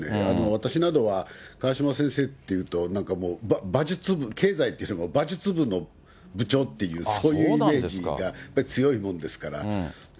私などは川嶋先生っていうと、なんかもう、馬術部、経済っていうよりも馬術部の部長っていう、そういうイメージがやっぱり強いもんですから。